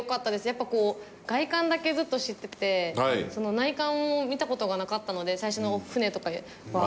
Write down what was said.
やっぱこう外観だけずっと知ってて内観を見た事がなかったので最初の船とかは。